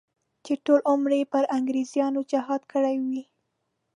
چې ټول عمر یې پر انګریزانو جهاد کړی وي.